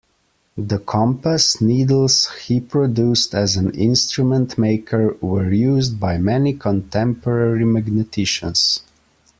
The compass needles he produced as an instrument-maker were used by many contemporary magneticians.